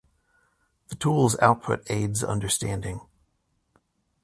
the tool’s output aids understanding